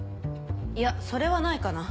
いやそれはないかな。